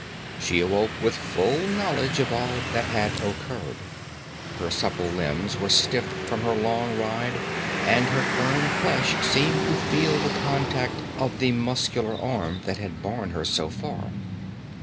She awoke with full knowledge of all that had occurred. Her supple limbs were stiff from her long ride, and her firm flesh seemed to feel the contact of the muscular arm that had borne her so far.